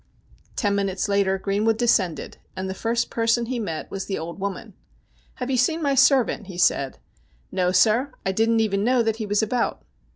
' Ten minutes later Greenwood descended, and the first person he met was the old woman. ' Have you seen my servant ?' he asked. ' No, sir. I didn't even know that he was about.'